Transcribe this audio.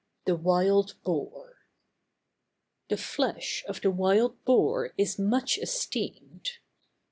THE WILD BOAR. The flesh of the wild boar is much esteemed.